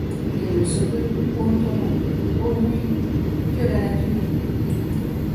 Il ne se peut, ô tombe ! ô nuit ! que la nature